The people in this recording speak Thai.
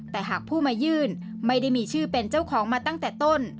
แต่หากผู้มายื่นไม่ได้มีชื่อเป็นเจ้าของมาตั้งแต่ต้น